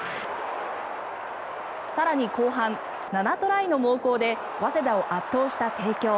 更に、後半７トライの猛攻で早稲田を圧倒した帝京。